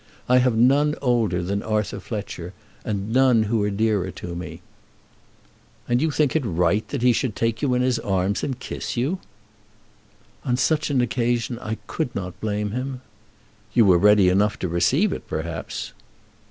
I have none older than Arthur Fletcher, and none who are dearer to me." "And you think it right that he should take you in his arms and kiss you?" "On such an occasion I could not blame him." "You were ready enough to receive it, perhaps."